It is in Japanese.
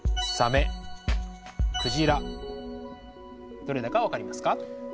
どれだか分かりますか？